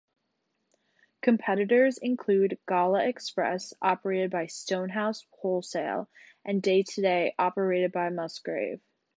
Competitors include Gala Express operated by Stonehouse Wholesale, and Daytoday operated by Musgrave.